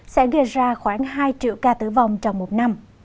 sẽ gây ra khoảng hai triệu ca tử vong trong một năm